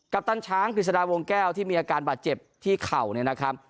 กัปตันช้างฟิศราช์วงแก้วที่มีอาการปลาเจ็บที่เข่าเนี้ย